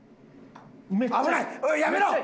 危ない！